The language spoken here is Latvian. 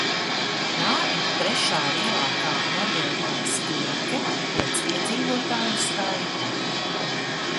Tā ir trešā lielākā Norvēģijas filke pēc iedzīvotāju skaita.